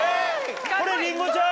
これりんごちゃん？